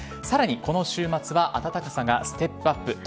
さらにこの週末は暖かさがステップアップ。